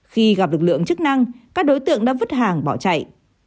khi gặp lực lượng chức năng các đối tượng đã vứt hàng bỏ chạy